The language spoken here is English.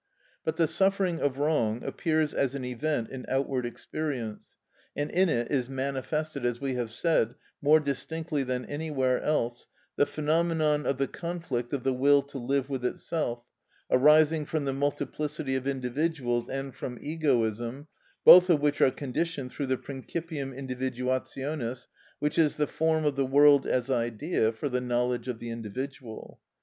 But the suffering of wrong appears as an event in outward experience, and in it is manifested, as we have said, more distinctly than anywhere else, the phenomenon of the conflict of the will to live with itself, arising from the multiplicity of individuals and from egoism, both of which are conditioned through the principium individuationis, which is the form of the world as idea for the knowledge of the individual.